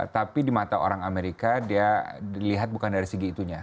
tapi di mata orang amerika dia dilihat bukan dari segi itunya